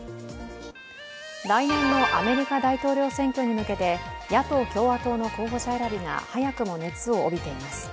来年のアメリカ大統領選挙に向けて野党・共和党の候補者選びが早くも熱を帯びています。